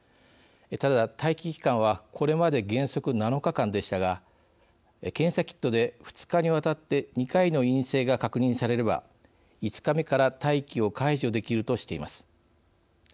ただ、待機期間はこれまで原則７日間でしたが検査キットで２日にわたって２回の陰性が確認されれば５日目から待機を解除できるとしています。